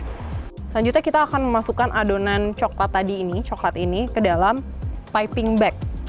selanjutnya kita akan memasukkan adonan coklat tadi ini coklat ini ke dalam piping bag